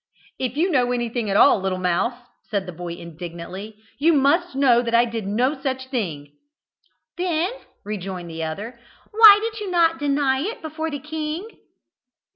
"If you know anything at all, little mouse," said the boy, indignantly, "you must know that I did no such thing." "Then," rejoined the other, "why did you not deny it before the king?"